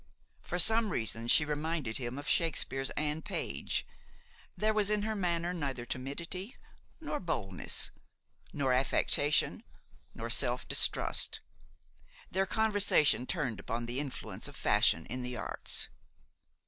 For some reason she reminded him of Shakespeare's Anne Page. There was in her manner neither timidity nor boldness, nor affectation, nor self distrust. Their conversation turned upon the influence of fashion in the arts.